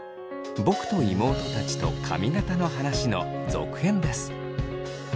「僕と妹たちとカミガタの話」の続編です。